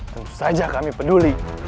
tentu saja kami peduli